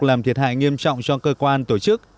làm thiệt hại nghiêm trọng cho cơ quan tổ chức